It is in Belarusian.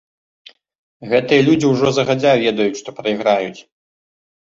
Гэтыя людзі ўжо загадзя ведаюць, што прайграюць.